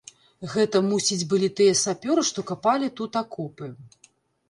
Гэта, мусіць, былі тыя сапёры, што капалі тут акопы.